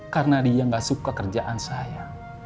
karena dia nggak suka kerjaan saya